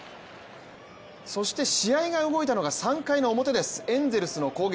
そして試合が動いたのが３回の表です、エンゼルスの攻撃。